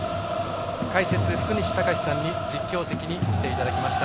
解説・福西崇史さんに実況席に来ていただきました。